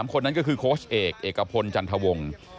คนนั้นก็คือโค้ชเอกเอกพลจันทวงศ์